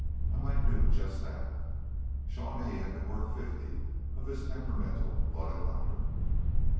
"I might do just that." Shawnee had been worth fifty of this temperamental blooded hunter.